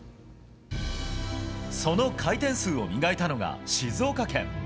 その回転数を磨いたのが静岡県。